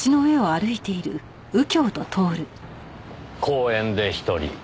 公園で１人。